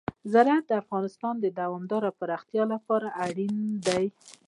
زراعت د افغانستان د دوامداره پرمختګ لپاره اړین دي.